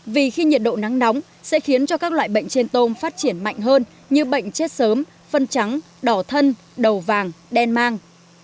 vì khi nhiệt độ nắng nóng sẽ khiến cho các loại bệnh trên tôm phát triển mạnh hơn như bệnh chết sớm phân trắng đỏ thân đầu vàng đen mang